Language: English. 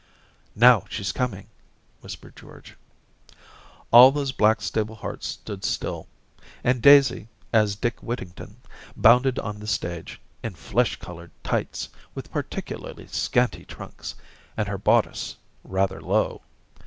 * Now she's coming/ whispered George. All those Blackstable hearts stood still. And Daisy, as Dick Whittington, bounded on the stage — in flesh coloured tights, with particularly scanty trunks, and her bodice — rather low.